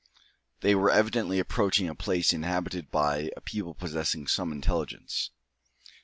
They were evidently approaching a place inhabited by a people possessing some intelligence.